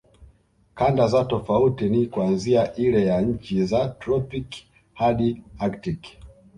Kanda za tofauti ni kuanzia ile ya nchi za tropiki hadi aktiki